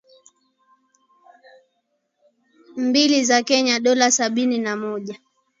mbili za Kenya dola sabini na moja